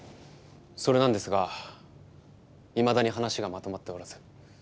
それなんですがいまだに話がまとまっておらず。